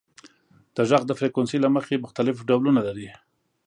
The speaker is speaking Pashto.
• ږغ د فریکونسۍ له مخې مختلف ډولونه لري.